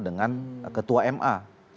dengan ketua ma